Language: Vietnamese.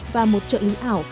và một trợ lý ảo